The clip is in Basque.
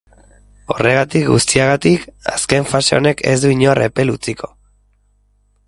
Horregatik guztiagatik, azken fase honek ez du inor epel utziko.